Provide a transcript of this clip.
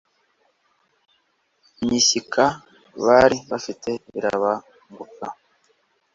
Imishyika bali bafite irabanguka,